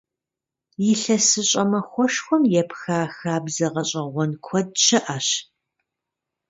ИлъэсыщӀэ махуэшхуэм епха хабзэ гъэщӀэгъуэн куэд щыӀэщ.